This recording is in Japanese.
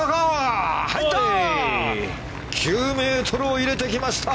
９ｍを入れてきました。